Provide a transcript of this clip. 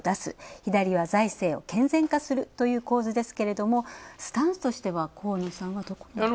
左は財政を健全化するという構図ですけど、スタンスとしては、河野さんは、どこになりますか？